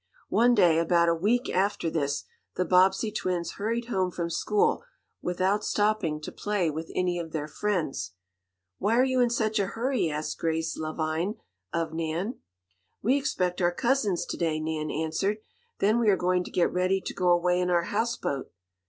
One day, about a week after this, the Bobbsey twins hurried home from school without stopping to play with any of their friends. "Why are you in such a hurry?" asked Grace Lavine of Nan. "We expect our cousins to day," Nan answered. "Then we are going to get ready to go away in our houseboat."